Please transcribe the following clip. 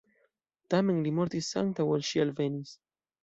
Tamen, li mortis antaŭ ol ŝi alvenis.